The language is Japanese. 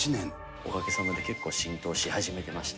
おかげさまで結構浸透し始めてまして。